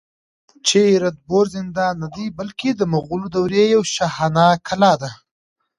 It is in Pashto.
چې رنتنبور زندان نه دی، بلکې د مغولي دورې یوه شاهانه کلا ده